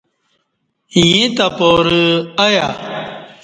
ییں تہ پارہ ایہ